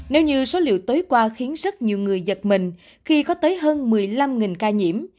nếu như số liệu tối qua khiến rất nhiều người giật mình khi có tới hơn một mươi năm ca nhiễm